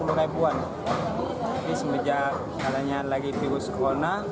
tapi semenjak anaknya lagi virus corona